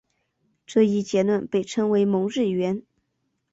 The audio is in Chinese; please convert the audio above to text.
这一结论被称为蒙日圆。